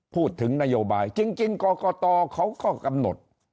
พูดถึงนโยบายจริงกรกตเขาก็กำหนด